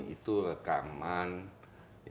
itu rekaman yang sifatnya